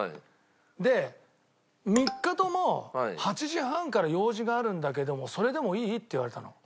で３日とも「８時半から用事があるんだけどもそれでもいい？」って言われたの。